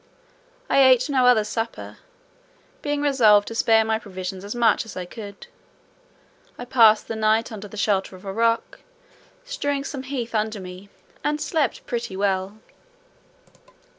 I ate no other supper, being resolved to spare my provisions as much as I could. I passed the night under the shelter of a rock, strewing some heath under me, and slept pretty well.